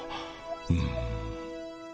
うん。